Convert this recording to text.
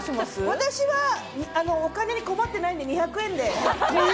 私は、お金に困っていないので２００円で。